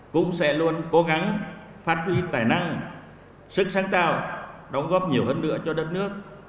cố gắng phát huy tài năng sức sáng tạo đóng góp nhiều hơn nữa cho đất nước